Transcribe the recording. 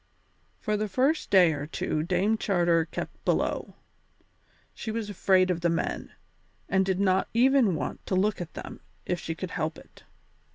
For the first day or two Dame Charter kept below. She was afraid of the men, and did not even want to look at them if she could help it.